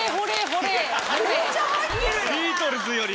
ビートルズより。